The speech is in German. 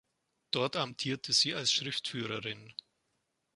Dort amtierte sie als Schriftführerin.